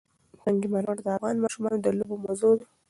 سنگ مرمر د افغان ماشومانو د لوبو موضوع ده.